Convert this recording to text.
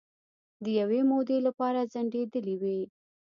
د یوې مودې لپاره ځنډیدېلې وې